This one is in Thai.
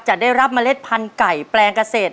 จะได้รับเมล็ดพันธุ์ไก่แปลงเกษตร